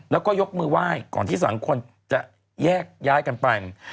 แล้วก็ยกมือไหว้ก่อนที่สังคมจะแยกย้ายกันไป